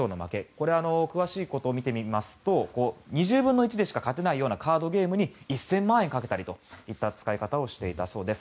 これは詳しいことを見てみますと２０分の１でしか勝てないようなカードゲームに１０００万円を賭けたりといった使い方をしていたそうです。